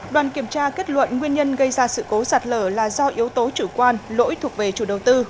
đoàn kiểm tra kết luận nguyên nhân gây ra sự cố sạt lở là do yếu tố chủ quan lỗi thuộc về chủ đầu tư